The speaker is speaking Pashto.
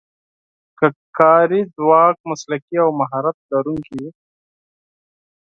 که کاري ځواک مسلکي او مهارت لرونکی وي.